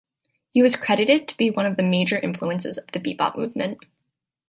He was credited to be one of the major influences of the bebop movement.